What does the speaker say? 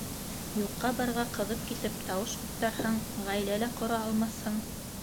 Юҡҡа-барға ҡыҙып китеп, тауыш ҡуптарһаң, ғаилә лә ҡора алмаҫһың.